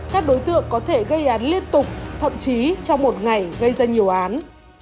các đối tượng có thể gây án liên tục thậm chí trong một ngày gây ra nhiều án